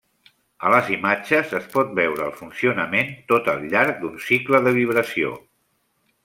A les imatges es pot veure el funcionament tot al llarg d'un cicle de vibració.